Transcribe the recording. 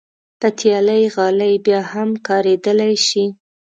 پتېلي غالۍ بیا هم کارېدلی شي.